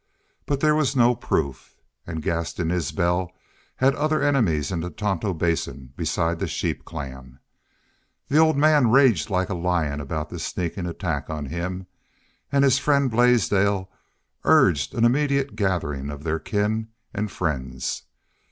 But there was no proof. And Gaston Isbel had other enemies in the Tonto Basin besides the sheep clan. The old man raged like a lion about this sneaking attack on him. And his friend Blaisdell urged an immediate gathering of their kin and friends.